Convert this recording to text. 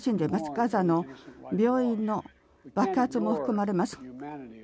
ガザの病院の爆発も含まれます。